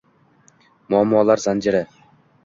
Muammolar zanjiri